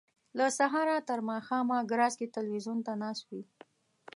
له سهاره تر ماښامه ګراج کې ټلویزیون ته ناست وي.